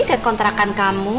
ke kontrakan kamu